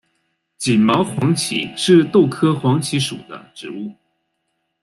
棉毛黄耆是豆科黄芪属的植物。